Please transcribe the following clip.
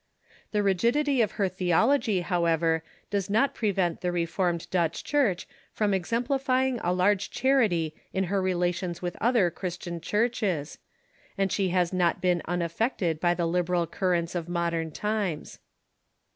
The rigid ity of her theology, however, does not prevent the Reformed Dutch Church from exemplifying a large charity in her rela tions with other Christian Churches, and she has not been im aft'ected by the liberal currents of modern times.